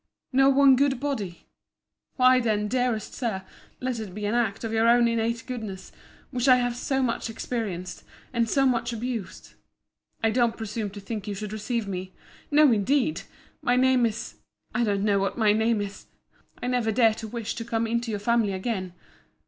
—No one good body?—Why then, dearest Sir, let it be an act of your own innate goodness, which I have so much experienced, and so much abused. I don't presume to think you should receive me—No, indeed!—My name is—I don't know what my name is!—I never dare to wish to come into your family again!